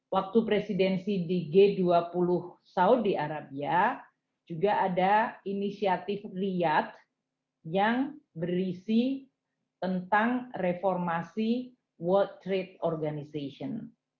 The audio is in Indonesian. waktu presidensi di g dua puluh saudi arabia juga ada inisiatif lihat yang berisi tentang reformasi world trade organization